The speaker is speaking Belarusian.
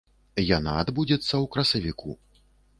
Яна адбудзецца ў красавіку.